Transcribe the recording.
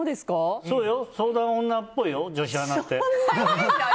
相談女っぽいよ女子アナって。